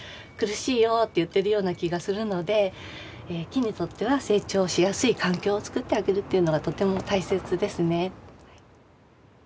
「苦しいよ」って言ってるような気がするので木にとっては成長しやすい環境を作ってあげるというのがとても大切ですね。